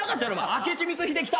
「明智光秀きた！」